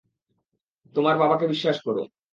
তোমার বাবাকে বিশ্বাস করো।